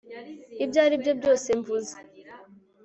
ibyo aribyo byose mvuze